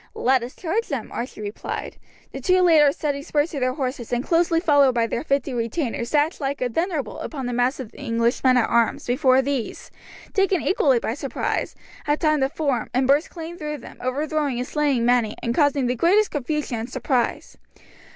"Let us charge them," Archie replied. The two leaders, setting spurs to their horses, and closely followed by their fifty retainers, dashed like a thunderbolt upon the mass of the English men at arms, before these, taken equally by surprise, had time to form, and burst clean through them, overthrowing and slaying many, and causing the greatest confusion and surprise.